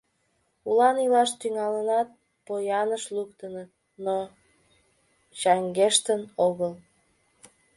Улан илаш тӱҥалынат, пояныш луктыныт, но чаҥгештын огыл.